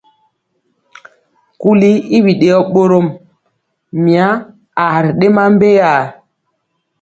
Kuli i biɗeyɔ ɓorom, mya aa ri ɗema mbeyaa.